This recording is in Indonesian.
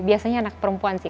biasanya anak perempuan sih